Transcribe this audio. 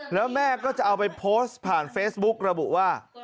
แล้วแม่ก็จะเอาไปโพสต์ผ่านเฟซบุ๊กระบุว่า